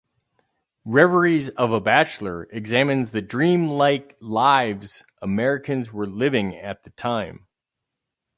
"Reveries of a Bachelor" examines the dream-like lives Americans were living at the time.